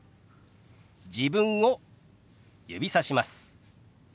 自分を指さします。